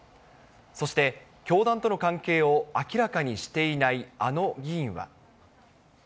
そして、教団との関係を明らかにしていないあの議員は。